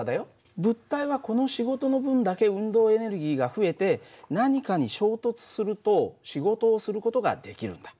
物体はこの仕事の分だけ運動エネルギ−が増えて何かに衝突すると仕事をする事ができるんだ。